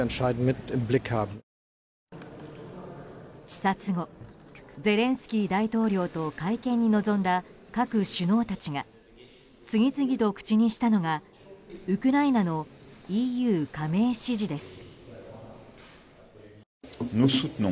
視察後、ゼレンスキー大統領と会見に臨んだ各首脳たちが次々と口にしたのがウクライナのＥＵ加盟支持です。